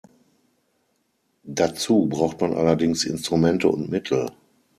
Dazu braucht man allerdings Instrumente und Mittel!